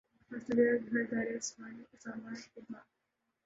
اور صفیہ کا گھر دارِ اسامہ میں تھا